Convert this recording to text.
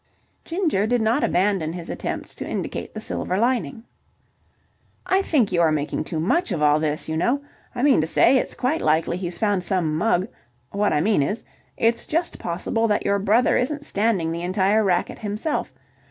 Ginger did not abandon his attempts to indicate the silver lining. "I think you are making too much of all this, you know. I mean to say, it's quite likely he's found some mug... what I mean is, it's just possible that your brother isn't standing the entire racket himself.